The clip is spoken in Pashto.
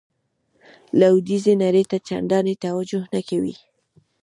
لویدیځې نړۍ ته چندانې توجه نه کوي.